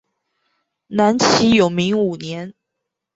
南齐永明五年。